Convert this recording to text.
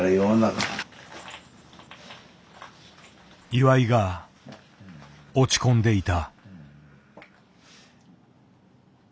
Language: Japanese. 岩井が落ち込んでいた。